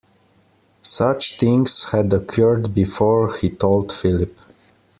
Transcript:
Such things had occurred before, he told Philip.